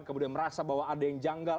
kemudian merasa bahwa ada yang janggal